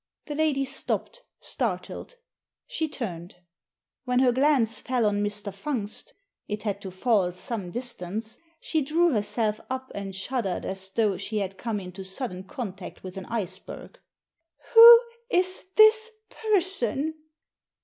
The lady stopped, startled. She turned. When her glance fell on Mr. Fungst — it had to fall some distance — she drew herself up and shuddered as though she had come into sudden contact with an iceberg. " Who is this person